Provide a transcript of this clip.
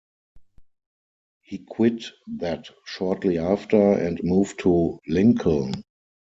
He quit that shortly after and moved to Lincoln.